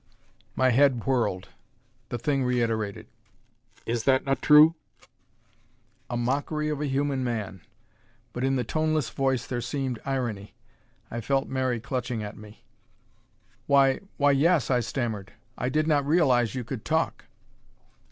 My head whirled. The thing reiterated, "Is that not true?" A mockery of a human man but in the toneless voice there seemed irony! I felt Mary clutching at me. "Why why, yes," I stammered. "I did not realize you could talk."